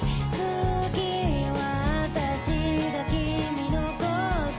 「次はあたしがきみのこと」